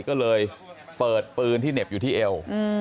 ก็เลยเปิดปืนที่เหน็บอยู่ที่เอว